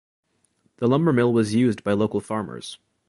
The lumbermill was used by local farmers.